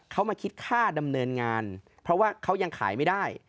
เขามาคิดค่าดำเนินงานเพราะว่าเขายังขายไม่ได้